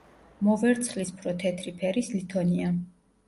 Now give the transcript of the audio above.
მოვერცხლისფრო-თეთრი ფერის ლითონია.